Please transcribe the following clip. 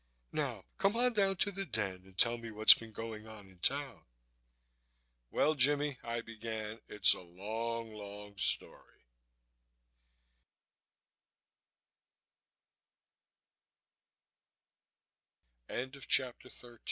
"Now come on down to the den and tell me what's been going on in town." "Well, Jimmie," I began, "it's a long, long story " CHAPTER 14 "If it's go